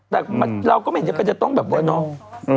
แต่เราก็ไม่เห็นว่าจะต้องแบบว่าน้อง